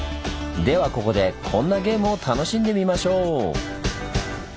ではここでこんなゲームを楽しんでみましょう！